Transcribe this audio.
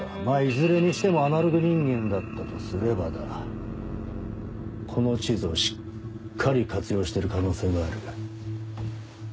まぁいずれにしてもアナログ人間だったとすればだこの地図をしっかり活用してる可能性もある。